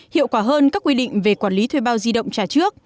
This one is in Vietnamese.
hiệu quả hơn các quy định